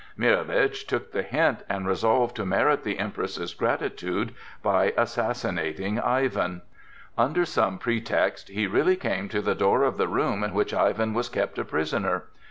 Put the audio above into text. Mirowitch took the hint and resolved to merit the Empress's gratitude by assassinating Ivan. Under some pretext he really came to the door of the room in which Ivan was kept a prisoner.